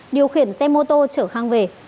điều khiển xe mô tô chở khang về